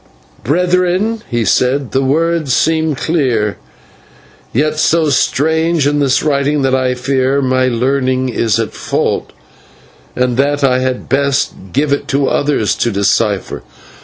"Brethren," he said, "the words seem clear, and yet so strange is this writing that I fear my learning is at fault, and that I had best give it to others to decipher."